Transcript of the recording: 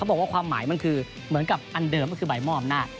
บอกว่าความหมายมันคือเหมือนกับอันเดิมก็คือใบมอบอำนาจ